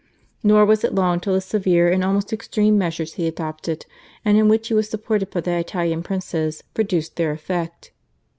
Nor was it long till the severe and almost extreme measures he adopted, and in which he was supported by the Italian princes, produced their effect.